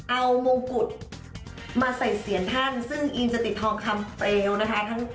เอามงกุฎมาใส่เสียรท่านซึ่งอินจะติดทองคำเปลวนะคะ